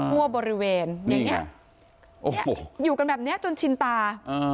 ทั่วบริเวณอย่างนี้อยู่กันแบบนี้จนชินตา